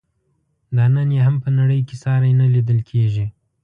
دا نن یې هم په نړۍ کې ساری نه لیدل کیږي.